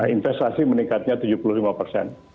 investasi meningkatnya tujuh puluh lima persen